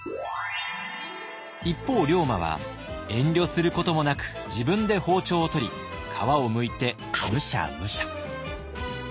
一方龍馬は遠慮することもなく自分で包丁を取り皮をむいてムシャムシャ。